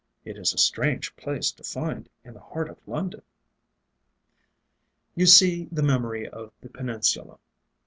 It is a strange place to find in the heart of London." "You see the memory of the Peninsula.